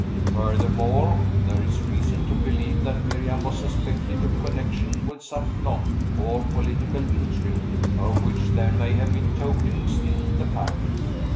Furthermore, there is reason to believe that Miriam was suspected of connection with some plot, or political intrigue, of which there may have been tokens in the packet.